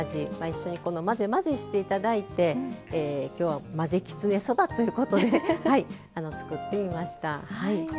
一緒に混ぜ混ぜして頂いて今日は混ぜきつねそばということで作ってみました。